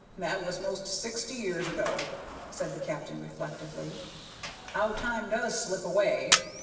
That was 'most sixty year ago," said the captain, reflectively. "How time does slip away!